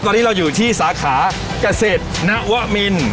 ตอนนี้เราอยู่ที่สาขาเกษตรนวมิน